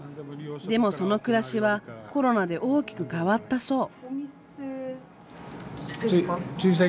でもその暮らしはコロナで大きく変わったそう。